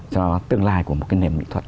cho tương lai của một cái nền mỹ thuật